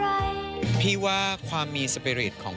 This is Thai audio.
พี่ว่าความมีสปีริตของพี่แหวนเป็นตัวอย่างที่พี่จะนึกถึงเขาเสมอ